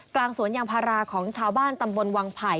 กลางสวนยางพาราของชาวบ้านตำบลวังไผ่